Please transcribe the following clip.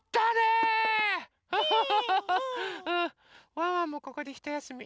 ワンワンもここでひとやすみ。